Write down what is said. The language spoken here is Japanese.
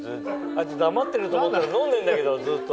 あいつ黙ってると思ったら飲んでんだけどずっと。